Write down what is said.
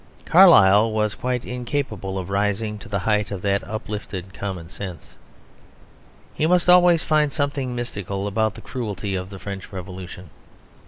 Carlyle was quite incapable of rising to the height of that uplifted common sense. He must always find something mystical about the cruelty of the French Revolution.